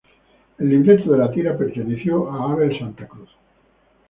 El libreto de la tira perteneció a Abel Santa Cruz.